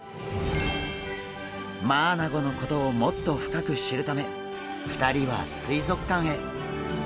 マアナゴのことをもっと深く知るため２人は水族館へ。